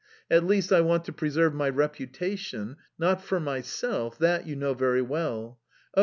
At least, I want to preserve my reputation... not for myself that you know very well!... Oh!